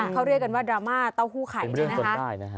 เขาเรียกกันว่าดราม่าเต้าหู้ไข่ใช่ไหมคะ